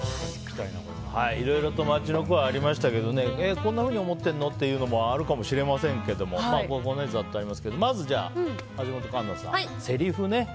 いろいろと街の声ありましたがこんなふうに思ってるの？っていうのもあるかもしれませんが、まずは橋本環奈さん、せりふね。